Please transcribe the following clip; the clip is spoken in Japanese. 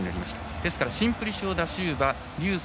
ですから、シンプリシオダシウバ劉翠